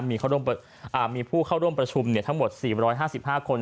มีเข้าร่วมอ่ามีผู้เข้าร่วมประชุมเนี่ยทั้งหมดสี่ร้อยห้าสิบห้าคน